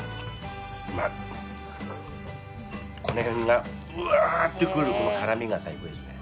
この辺がうわってくるこの辛みが最高ですね。